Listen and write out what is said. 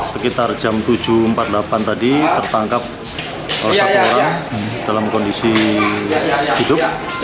sekitar jam tujuh empat puluh delapan tadi tertangkap satu orang dalam kondisi hidup